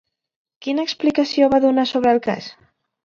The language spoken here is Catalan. Quina explicació va donar sobre el cas?